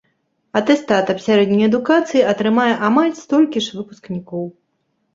Атэстат аб сярэдняй адукацыі атрымае амаль столькі ж выпускнікоў.